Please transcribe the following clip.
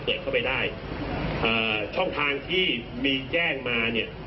เปิดเข้าไปได้อ่าช่องทางที่มีแจ้งมาเนี่ย